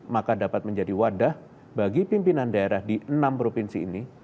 maka dapat menjadi wadah bagi pimpinan daerah di enam provinsi ini